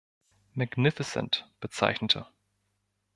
Magnificent" bezeichnete.